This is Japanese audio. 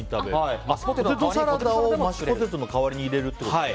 ポテトサラダをマッシュポテトの代わりに入れるってこと？